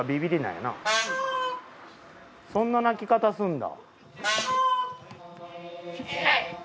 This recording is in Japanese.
そんな鳴き方すんだ。